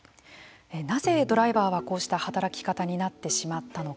なぜドライバーはこうした働き方になってしまったのか。